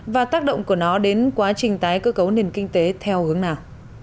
và tác động của nó đến quá trình tái cơ cấu nền kinh tế theo hướng nào